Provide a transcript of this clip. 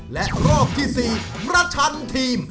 และรอบที่๔ประชันทีม